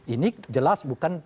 ini jelas bukan